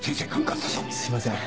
すいません。